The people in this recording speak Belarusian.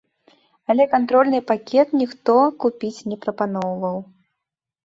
Але кантрольны пакет ніхто купіць не прапаноўваў.